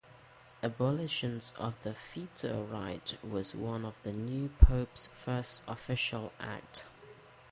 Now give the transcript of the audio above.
Abolition of the veto right was one of the new Pope's first official acts.